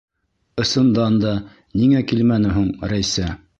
Ысындан да, ниңә килмәне һуң Рәйсә?